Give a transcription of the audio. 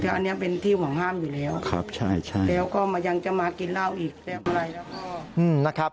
อันนี้เป็นที่หวังห้ามอยู่แล้วแล้วก็มายังจะมากินเหล้าอีก